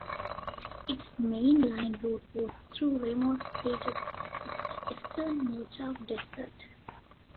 Its mainline route was through remote reaches of the Eastern Mojave Desert.